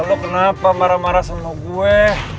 lo kenapa marah marah sama gue